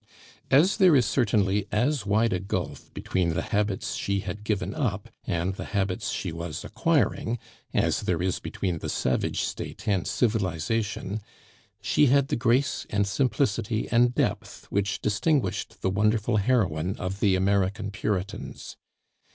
As there is certainly as wide a gulf between the habits she had given up and the habits she was acquiring as there is between the savage state and civilization, she had the grace and simplicity and depth which distinguished the wonderful heroine of the American Puritans.